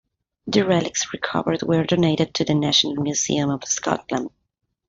The relics recovered were donated to the National Museum of Scotland.